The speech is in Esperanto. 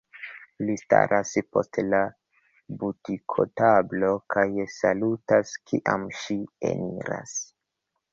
Li staras post la butikotablo kaj salutas, kiam ŝi eniras.